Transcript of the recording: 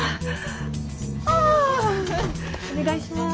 お願いします。